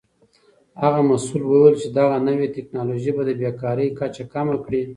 هغه مسؤل وویل چې دغه نوې تکنالوژي به د بیکارۍ کچه کمه کړي.